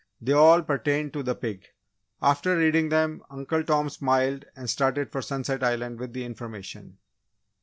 They all pertained to the pig. After reading them, Uncle Tom smiled and started for Sunset Island with the information.